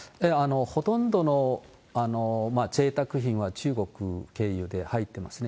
ほとんどのぜいたく品は、中国経由で入ってますね。